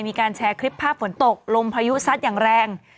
มีการแชร์คลิปภาพฝนตกลมพายุซัดอย่างแรง